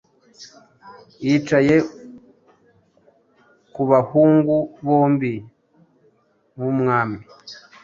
yicaye ku bahungu bombi bumwami